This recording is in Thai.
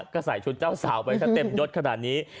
ก็ใส่ชุดเจ้าสาวไปซะเต็มยดขนาดนี้